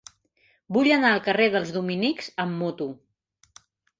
Vull anar al carrer dels Dominics amb moto.